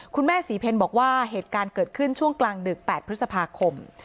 คุณแม่ศรีเพลบอกว่าเหตุการณ์เกิดขึ้นช่วงกลางดึก๘พฤษภาคม